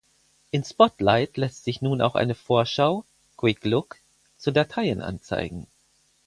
In Spotlight lässt sich nun auch eine Vorschau (Quick Look) zu Dateien anzeigen.